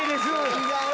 違う！